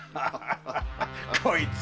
こいつ。